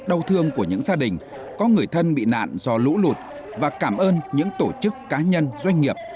đau thương của những gia đình có người thân bị nạn do lũ lụt và cảm ơn những tổ chức cá nhân doanh nghiệp